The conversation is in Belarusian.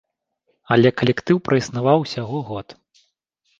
Але калектыў праіснаваў усяго год.